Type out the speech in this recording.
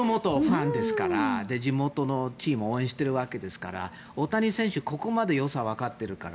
地元のチームを応援しているわけですから大谷選手はここまでよさをわかっているから。